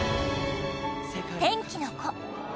『天気の子』